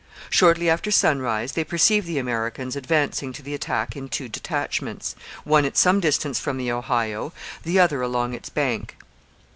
Shortly after sunrise they perceived the Americans advancing to the attack in two detachments, one at some distance from the Ohio, the other along its bank.